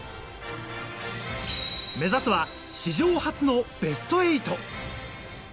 目指すは史上初のベスト８。